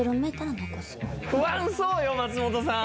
不安そうよ松本さん。